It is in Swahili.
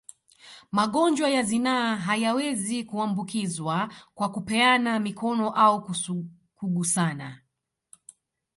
Magonjwa ya zinaa hayawezi kuambukizwa kwa kupeana mikono au kugusana